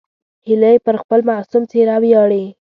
هیلۍ پر خپل معصوم څېره ویاړي